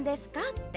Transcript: って。